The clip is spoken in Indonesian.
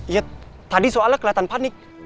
iya tadi soalnya keliatan panik